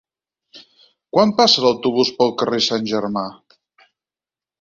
Quan passa l'autobús pel carrer Sant Germà?